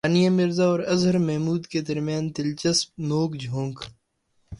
ثانیہ مرزا اور اظہر محمود کے درمیان دلچسپ نوک جھونک